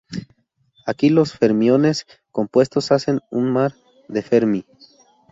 Aquí, los fermiones compuestos hacen un mar de Fermi.